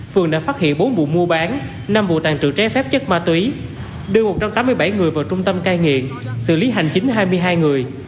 phường đã phát hiện bốn vụ mua bán năm vụ tàn trự trái phép chất ma túy đưa một trăm tám mươi bảy người vào trung tâm cai nghiện xử lý hành chính hai mươi hai người